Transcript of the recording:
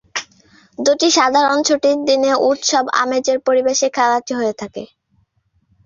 দু’টি সাধারণ ছুটির দিনে উৎসব-আমেজের পরিবেশে খেলাটি হয়ে থাকে।